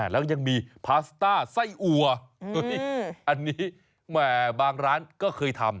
แล้วยังมีพาสต้าไส้อัวอันนี้แหมบางร้านก็เคยทำ